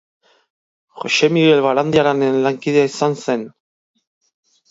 Jose Migel Barandiaranen lankidea izan zen.